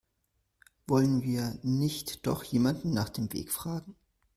Wollen wir nicht doch jemanden nach dem Weg fragen?